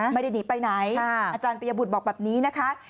ไม่ได้หนีไปไหนอาจารย์ปริยบุตรบอกแบบนี้นะคะ